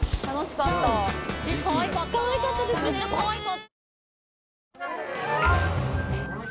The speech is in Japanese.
かわいかったですね。